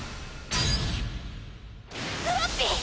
フロッピー！